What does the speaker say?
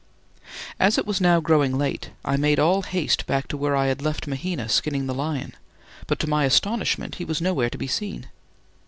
As it was now growing late, I made all haste back to where I had left Mahina skinning the lion, but to my astonishment he was nowhere to be seen.